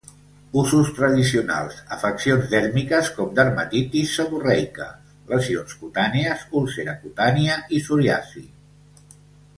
Usos tradicionals: afeccions dèrmiques com dermatitis seborreica, lesions cutànies, úlcera cutània i psoriasi.